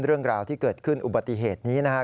เรื่องราวที่เกิดขึ้นอุบัติเหตุนี้นะครับ